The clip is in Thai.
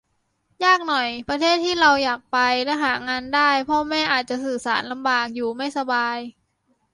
ยากหน่อย ประเทศที่เราอยากไปและหางานได้ พ่อแม่อาจจะสื่อสารลำบาก อยู่ไม่สบาย